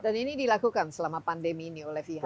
dan ini dilakukan selama pandemi ini oleh vihara